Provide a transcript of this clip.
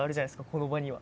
この場には。